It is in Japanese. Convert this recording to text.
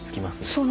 そう。